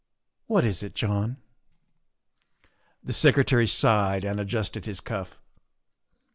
What is it, John?" The Secretary sighed and adjusted his cuff.